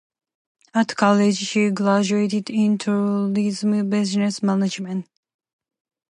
At college she graduated in Tourism Business Management.